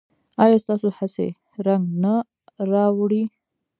ایا ستاسو هڅې رنګ نه راوړي؟